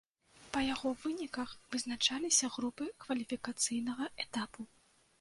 Па яго выніках вызначыліся групы кваліфікацыйнага этапу.